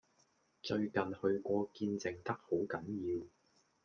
最近去過見靜得好緊要